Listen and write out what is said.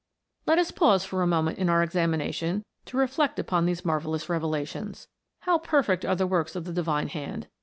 Let us pause for a moment in our examination, to reflect upon these marvellous revelations. How perfect are the works of the Divine Hand!